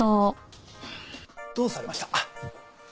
どうされました？